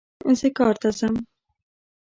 زه کار ته ځم